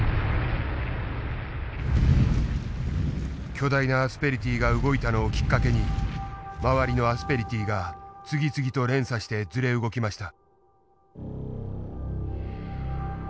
巨大なアスペリティーが動いたのをきっかけに周りのアスペリティーが次々と連鎖してずれ動きました。